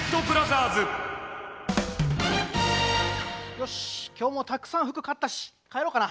よし今日もたくさん服買ったし帰ろうかな。